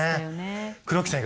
黒木さん